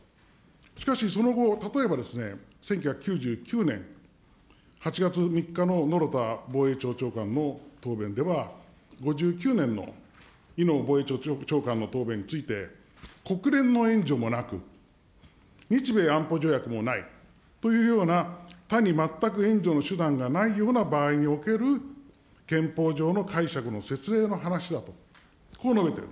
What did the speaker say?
しかし、その後、例えばですね、１９９９年８月３日ののろた防衛庁長官の答弁では、５９年の伊能防衛庁長官の答弁について、国連の援助もなく、日米安保条約もないというような、他に全く援助の手段がない場合における憲法上の解釈のせつえいの話だと、こう述べている。